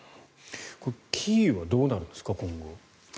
キーウはどうなるんですか今後。